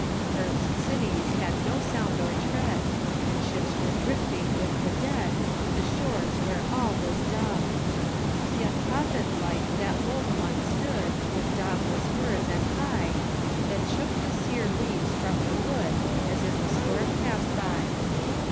Earth's cities had no sound or tread, And ships were drifting with the dead, To shores where all was dumb! Yet prophet like that lone one stood With dauntless words and high, That shook the sere leaves from the wood As if a storm passed by!